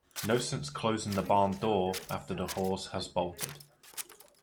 No sense closing the barn door after the horse has bolted.